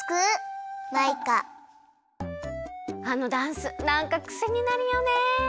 あのダンスなんかクセになるよね。